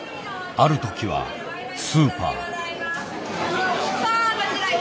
あるときはスーパー。